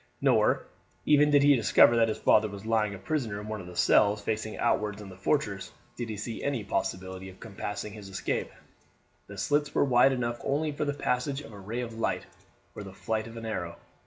Nor, even did he discover that his father was lying a prisoner in one of the cells facing outwards in the fortress, did he see any possibility of compassing his escape. The slits were wide enough only for the passage of a ray of light or the flight of an arrow.